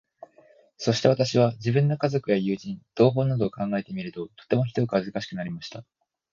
そして私は、自分の家族や友人、同胞などを考えてみると、とてもひどく恥かしくなりました。